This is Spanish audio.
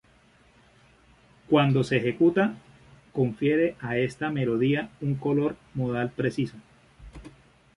Cuando se ejecuta, confiere a esta melodía un color modal preciso.